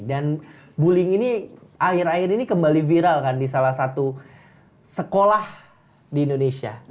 dan bullying ini akhir akhir ini kembali viral kan di salah satu sekolah di indonesia